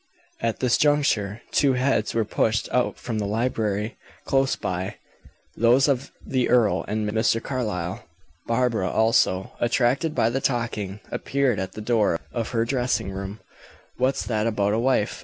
At this juncture two heads were pushed out from the library, close by; those of the earl and Mr. Carlyle. Barbara, also, attracted by the talking, appeared at the door of her dressing room. "What's that about a wife?"